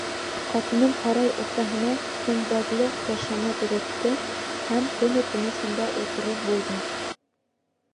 Ҡатыным һарай уртаһына көмбәҙле кәшәнә төҙөттө һәм көнө-төнө шунда ултырыр булды.